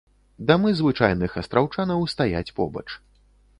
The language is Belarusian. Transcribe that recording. Дамы звычайных астраўчанаў стаяць побач.